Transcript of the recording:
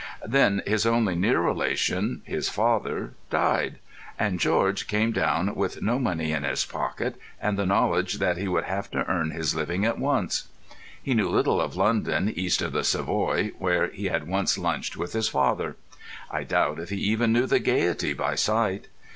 Then his only near relation, his father, died ... and George came down with no money in his pocket, and the knowledge that he would have to earn his living at once. He knew little of London east of the Savoy, where he had once lunched with his father; I doubt if he even knew the Gaiety by sight.